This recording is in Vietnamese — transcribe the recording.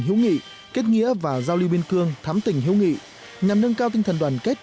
hữu nghị kết nghĩa và giao lưu biên cương thắm tỉnh hữu nghị nhằm nâng cao tinh thần đoàn kết